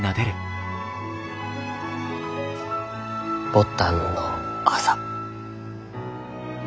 牡丹の痣。